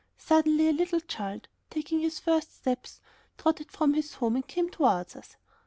Suddenly a little child, taking its first steps, trotted from his home and came towards us.